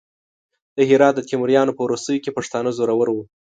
د هرات د تیموریانو په وروستیو کې پښتانه زورور وو.